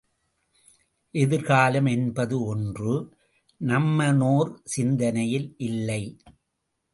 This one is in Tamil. எதிர்காலம் என்பது ஒன்று நம்மனோர் சிந்தனையில் இல்லை.